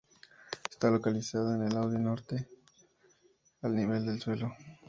Está localizada en el uadi norte, al nivel del suelo.